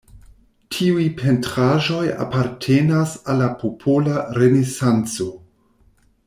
Tiuj pentraĵoj apartenas al la popola renesanco.